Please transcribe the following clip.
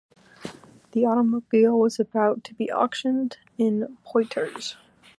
The automobile was about to be auctioned in Poitiers.